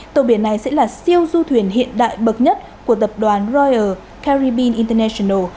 tàu biển này sẽ là siêu du thuyền hiện đại bậc nhất của tập đoàn royal caribbean international